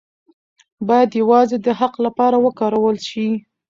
باید یوازې د حق لپاره وکارول شي.